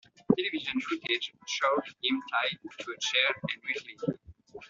Television footage showed him tied to a chair and mutilated.